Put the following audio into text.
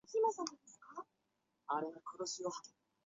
早安少女组。